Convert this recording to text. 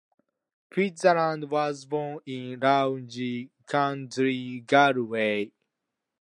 Fitzgerland was born in Loughrea, County Galway.